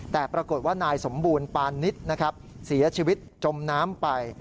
แต่ปรากฏว่านายสมบูรณ์ปานนิดนะครับเสียชีวิตจมน้ำไป